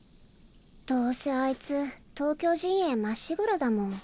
どうせあいつ東京陣営まっしぐらだもん。